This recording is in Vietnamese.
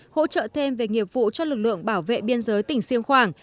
hỗ trợ thêm về nghiệp vụ cho lực lượng bảo vệ biên giới tỉnh siêng khoảng